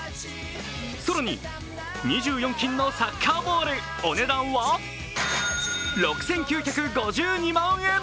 更に、２４金のサッカーボール、お値段は６９５２万円。